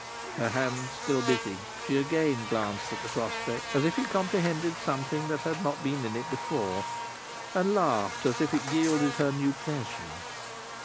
Her hands still busy, she again glanced at the prospect, as if it comprehended something that had not been in it before, and laughed as if it yielded her new pleasure.